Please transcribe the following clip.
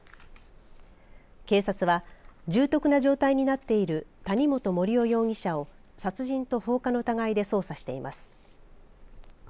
警察は、重篤な状態になっている谷本盛雄容疑者を殺人と放火の疑いで捜査しています。